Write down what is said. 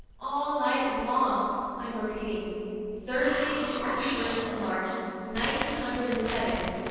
All night long, I'm repeating, "Thursday, the twenty first of March, nineteen hundred and seven.